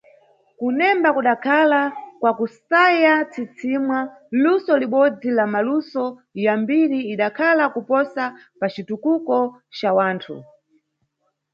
Kunemba kudakhala, kwa kusaya msisimwa, luso libodzi la maluso ya mbiri lidakhala kuposa pa citukuko ca wanthu.